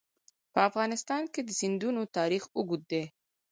په افغانستان کې د سیندونه تاریخ اوږد دی.